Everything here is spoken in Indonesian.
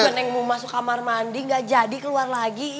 paling juga neng mau masuk kamar mandi nggak jadi keluar lagi iy